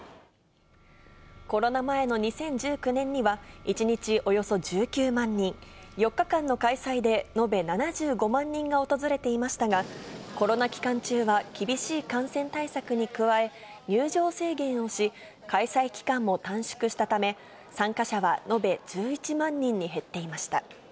コロナ前の２０１９年には、１日およそ１９万人、４日間の開催で、延べ７５万人が訪れていましたが、コロナ期間中は、厳しい感染対策に加え、入場制限をし、開催期間も短縮したため、参加者は延べ１１万人に減っていました。